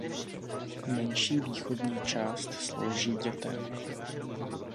Menší východní část slouží dětem.